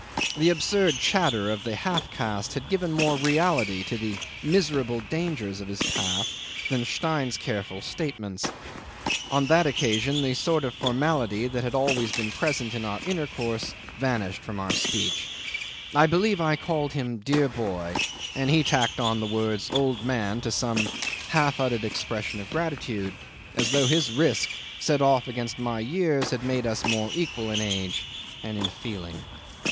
The absurd chatter of the half caste had given more reality to the miserable dangers of his path than Stein's careful statements. On that occasion the sort of formality that had been always present in our intercourse vanished from our speech; I believe I called him "dear boy," and he tacked on the words "old man" to some half uttered expression of gratitude, as though his risk set off against my years had made us more equal in age and in feeling.